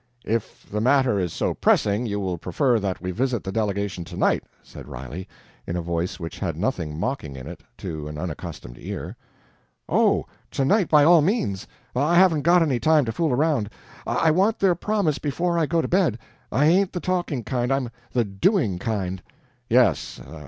"If the matter is so pressing, you will prefer that we visit the delegation tonight," said Riley, in a voice which had nothing mocking in it to an unaccustomed ear. "Oh, tonight, by all means! I haven't got any time to fool around. I want their promise before I go to bed I ain't the talking kind, I'm the DOING kind!" "Yes